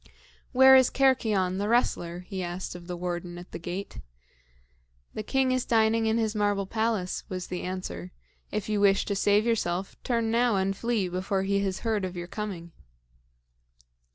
"Where is Cercyon, the wrestler?" he asked of the warden at the gate. "The king is dining in his marble palace," was the answer. "If you wish to save yourself, turn now and flee before he has heard of your coming."